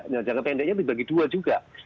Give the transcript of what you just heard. nah jangka pendeknya dibagi dua juga